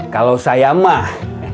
kalau saya mah